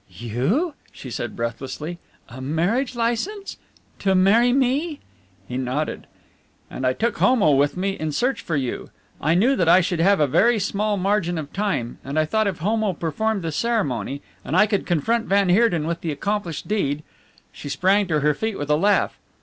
"You?" she said breathlessly. "A marriage licence? To marry me?" He nodded. "And I took Homo with me in my search for you. I knew that I should have a very small margin of time, and I thought if Homo performed the ceremony and I could confront van Heerden with the accomplished deed " She sprang to her feet with a laugh.